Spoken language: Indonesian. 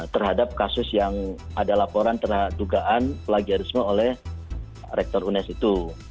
terhadap kasus yang ada laporan terhadap dugaan plagiarisme oleh rektor unes itu